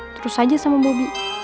terus aja sama bobby